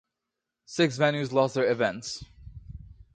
Six venues lost their events.